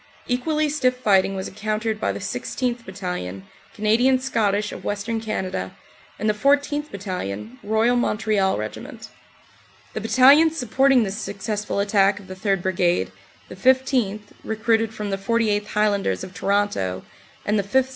Equally stiff fighting was encountered by the 16th. Battalion, Canadian Scottish of Western Canada, and the 14th. Battalion, Royal Montreal Regiment. The battalions supporting this successful attack of the 3rd. Brigade, the 15th., recruited from the 48th. High landers of Toronto, and the 5th.